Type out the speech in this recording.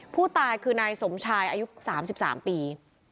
ผู้ตายคือนายสมชายอายุ๓๓ปี